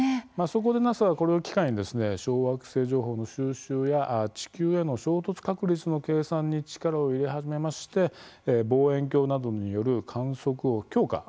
そこでＮＡＳＡはこれを機会に小惑星情報の収集や地球への衝突確率の計算に力を入れ始めまして望遠鏡などによる観測を強化するんですね。